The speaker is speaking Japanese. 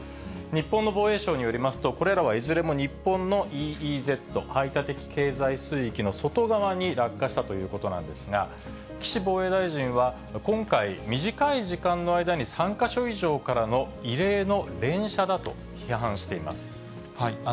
日本の防衛省によりますと、これらはいずれも日本のＥＥＺ・排他的経済水域の外側に落下したということなんですが、岸防衛大臣は、今回、短い時間の間に３か所以上からの異例の連射だと批判しています。